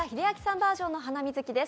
バージョンの「ハナミズキ」です。